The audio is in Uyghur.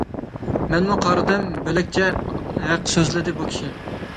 مەنمۇ قارىدىم بۆلەكچە، ھەق سۆزلىدى بۇ كىشى.